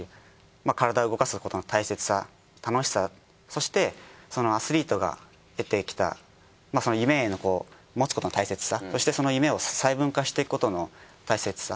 体を動かすことの大切さ楽しさそしてアスリートが得てきた夢を持つことの大切さそしてその夢を細分化していくことの大切さ。